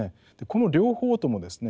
この両方ともですね